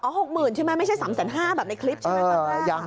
๖๐๐๐ใช่ไหมไม่ใช่๓๕๐๐บาทแบบในคลิปใช่ไหม